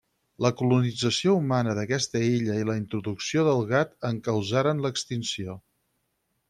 La colonització humana d'aquesta illa i la introducció del gat en causaren l'extinció.